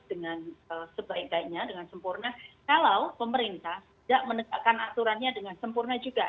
dengan sebaik baiknya dengan sempurna kalau pemerintah tidak menegakkan aturannya dengan sempurna juga